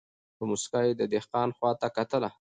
په موسکا یې د دهقان خواته کتله